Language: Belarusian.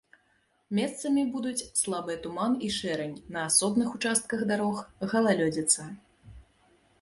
Месцамі будуць слабыя туман і шэрань, на асобных участках дарог галалёдзіца.